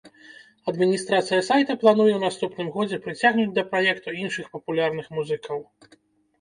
Адміністрацыя сайта плануе ў наступным годзе прыцягнуць да праекту іншых папулярных музыкаў.